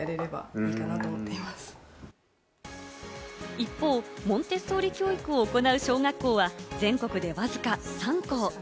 一方、モンテッソーリ教育を行う小学校は全国でわずか３校。